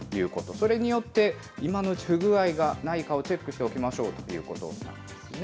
それによって、今のうち、不具合がないかをチェックしておきましょうということですね。